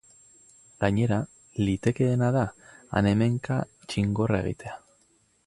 Gainera, litekeena da han-hemenka txingorra egitea.